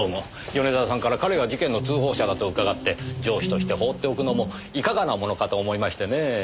米沢さんから彼が事件の通報者だと伺って上司として放っておくのもいかがなものかと思いましてねぇ。